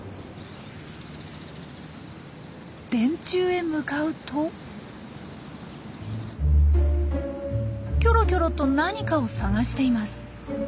電柱へ向かうときょろきょろと何かを探しています。